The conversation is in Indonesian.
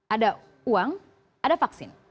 ada uang ada vaksin